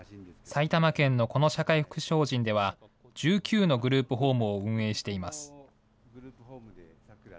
埼玉県のこの社会福祉法人では、１９のグループホームを運営しています。